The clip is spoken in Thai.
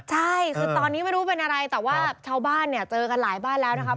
ใช่คือตอนนี้ไม่รู้เป็นอะไรแต่ว่าชาวบ้านเนี่ยเจอกันหลายบ้านแล้วนะครับ